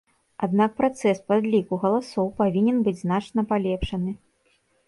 Аднак працэс падліку галасоў павінен быць значна палепшаны.